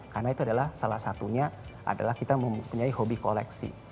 karena itu adalah salah satunya adalah kita mempunyai hobi koleksi